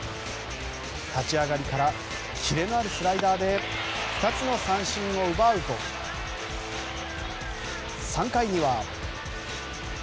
立ち上がりからキレのあるスライダーで２つの三振を奪うと３回には。